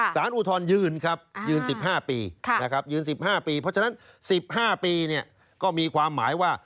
อุทธรณยืนครับยืน๑๕ปีนะครับยืน๑๕ปีเพราะฉะนั้น๑๕ปีก็มีความหมายว่า